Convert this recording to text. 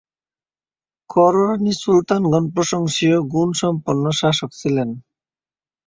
কররানী সুলতানগণ প্রশংসনীয় গুণসম্পন্ন শাসক ছিলেন।